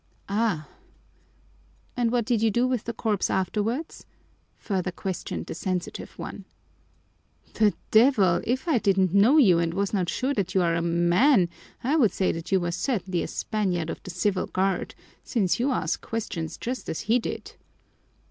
"Ah! And what did you do with the corpse afterwards?" further questioned the sensitive one. "The devil! If I didn't know you and was not sure that you are a man I would say that you were certainly a Spaniard of the Civil Guard, since you ask questions just as he did.